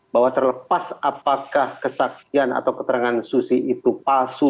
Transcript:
bahwa terlepas apakah kesaksian atau keterangan susi itu palsu